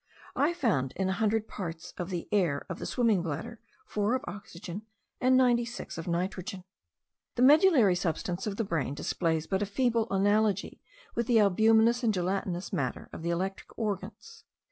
I found in a hundred parts of the air of the swimming bladder four of oxygen and ninety six of nitrogen. The medullary substance of the brain displays but a feeble analogy with the albuminous and gelatinous matter of the electric organs.